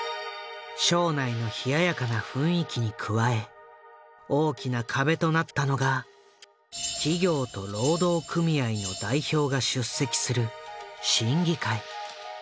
省内の冷ややかな雰囲気に加え大きな壁となったのが企業と労働組合の代表が出席する審議会。